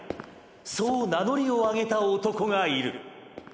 そう名乗りを上げた男がいる。